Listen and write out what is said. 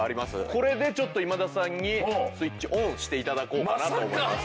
これでちょっと今田さんにスイッチオンして頂こうかなと思います。